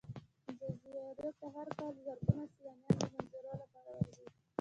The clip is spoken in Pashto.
ځاځي اريوب ته هر کال زرگونه سيلانيان د منظرو لپاره ورځي.